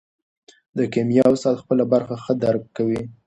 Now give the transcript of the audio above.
د کیمیا استاد خپله برخه ښه درک کوي.